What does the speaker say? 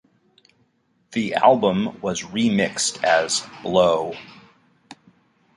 The album was remixed as Blow.